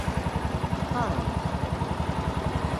Teqqarem?